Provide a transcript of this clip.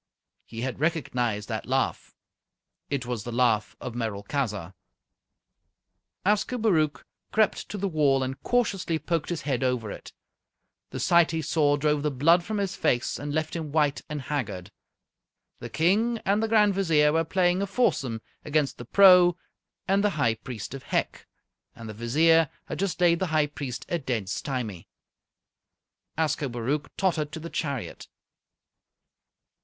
He had recognized that laugh. It was the laugh of Merolchazzar. Ascobaruch crept to the wall and cautiously poked his head over it. The sight he saw drove the blood from his face and left him white and haggard. The King and the Grand Vizier were playing a foursome against the Pro and the High Priest of Hec, and the Vizier had just laid the High Priest a dead stymie. Ascobaruch tottered to the chariot.